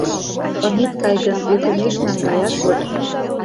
Ынет кай гын, ӧкымеш наҥгаят вот».